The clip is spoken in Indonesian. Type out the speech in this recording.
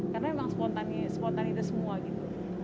karena memang spontaninya spontan itu semua gitu